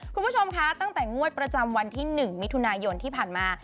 คุณผู้ชมคะตั้งแต่งวดประจำวันที่๑มิถุนายนที่ผ่านมา